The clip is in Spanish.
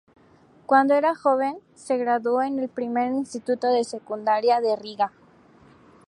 Cuando era joven se graduó en el primer instituto de secundaria de Riga.